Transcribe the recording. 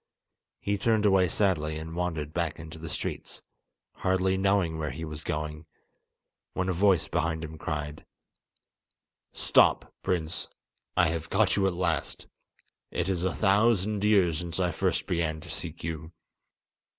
He turned away sadly and wandered back into the streets, hardly knowing where he was going; when a voice behind him cried: "Stop, prince, I have caught you at last! It is a thousand years since I first began to seek you."